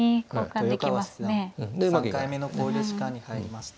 豊川七段３回目の考慮時間に入りました。